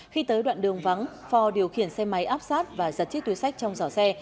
khi tới đoạn đường vắng phò điều khiển xe máy áp sát và giật chiếc túi sách trong giỏ xe